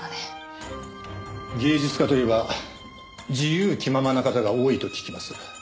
芸術家といえば自由気ままな方が多いと聞きます。